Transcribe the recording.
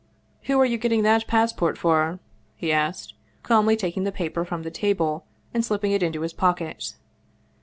" Who are you getting that passport for ?" he asked, calmly taking the paper from the table and slipping it into his pocket.